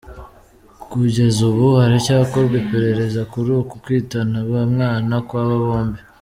Kugeza ubu haracyakorwa iperereza kuri uku kwitana ba mwana kw’aba bombi.